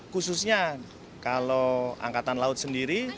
khususnya kalau angkatan laut sendiri